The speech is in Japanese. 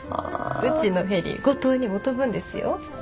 うちのヘリ五島にも飛ぶんですよ。